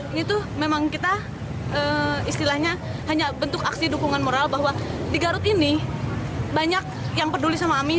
ini tuh memang kita istilahnya hanya bentuk aksi dukungan moral bahwa di garut ini banyak yang peduli sama ami